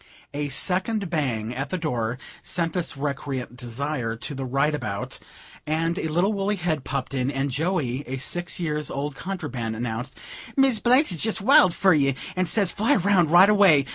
A second bang at the door sent this recreant desire to the right about, as a little woolly head popped in, and Joey, (a six years' old contraband,) announced "Miss Blank is jes' wild fer ye, and says fly round right away.